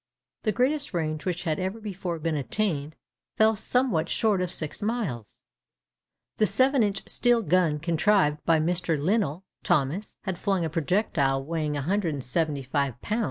The greatest range which had ever before been attained fell somewhat short of six miles. The 7 inch steel gun contrived by Mr. Lynall Thomas had flung a projectile weighing 175 lbs.